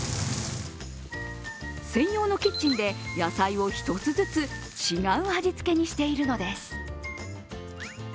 専用のキッチンで野菜を１つずつ違う味付けにしているのです。